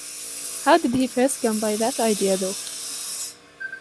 How did he first come by that idea, though?